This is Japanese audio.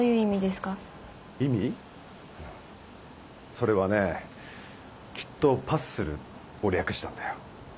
それはねぇ「きっとパスする」を略したんだよ